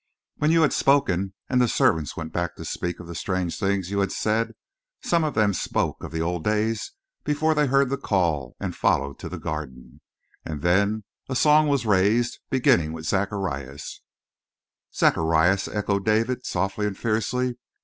When you had spoken, and the servants went back to speak of the strange things you had said, some of them spoke of the old days before they heard the call and followed to the Garden, and then a song was raised beginning with Zacharias " "Zacharias!" echoed David, softly and fiercely.